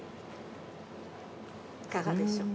◆いかがでしょうか。